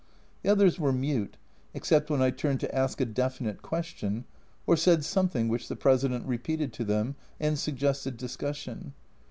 The others were mute, except when I turned to ask a definite question, or said something which the President repeated to them, and suggested discussion.